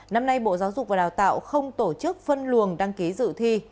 năm nay bộ giáo dục và đào tạo không tổ chức phân luồng đăng ký dự thi